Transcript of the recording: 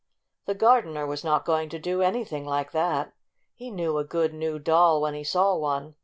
The gardener was not going to do any thing like that. He knew a good, new doll when he saw one.